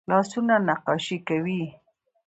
لاسونه نقاشي کوي